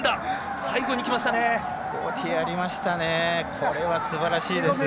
これはすばらしいですよ。